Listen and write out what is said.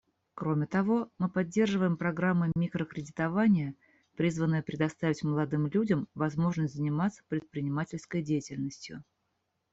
Кроме того, мы поддерживаем программы микрокредитования, призванные предоставить молодым людям возможность заниматься предпринимательской деятельностью.